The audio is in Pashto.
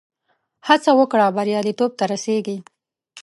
هڅه وکړه، بریالیتوب ته رسېږې.